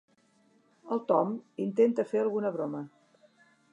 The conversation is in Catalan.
El Tom intenta fer alguna broma.